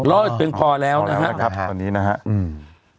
รอดเพียงพอแล้วนะครับตอนนี้นะครับอืม